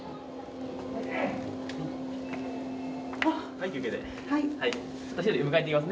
はい休憩です。